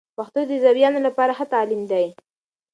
پښتو د زویانو لپاره ښه تعلیم دی.